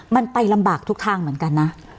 มันไปลำบากทุกทางเหมือนกันนะ